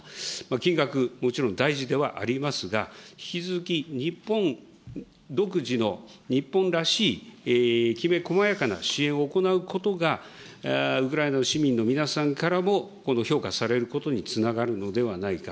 金額、もちろん大事ではありますが、引き続き、日本独自の、日本らしいきめこまやかな支援を行うことが、ウクライナの市民の皆さんからも評価されることにつながるのではないか。